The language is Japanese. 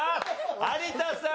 有田さん。